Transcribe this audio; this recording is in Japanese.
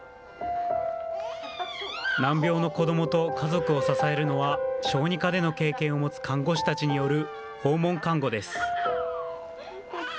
難病の子どもと家族を支えるのは小児科での経験を持つ看護師たちによる訪問看護です。